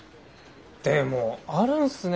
でもあるんすね